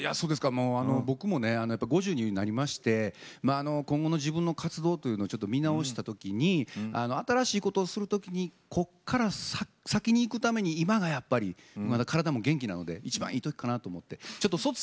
僕も５０歳になりまして今後の自分の活動を見直したときに新しいことをするときにここから先にいくためにまだ今も体が元気なのでいいときかなと。